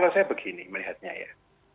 saya begini melihatnya ya